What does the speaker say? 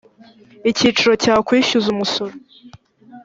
icyiciro cya kwishyuza umusoro